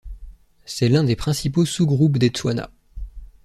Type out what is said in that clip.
C'est l'un des principaux sous-groupes des Tswanas.